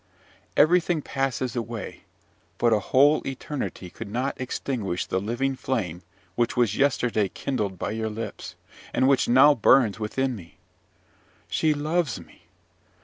"Everything passes away; but a whole eternity could not extinguish the living flame which was yesterday kindled by your lips, and which now burns within me. She loves me!